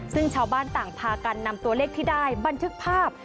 ซึ่งชาวบ้านต่างพากันนำตัวเลขที่ได้บันทึกภาพ